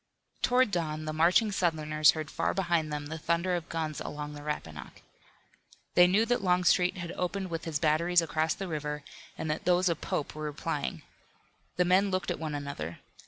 Toward dawn the marching Southerners heard far behind them the thunder of guns along the Rappahannock. They knew that Longstreet had opened with his batteries across the river, and that those of Pope were replying. The men looked at one another.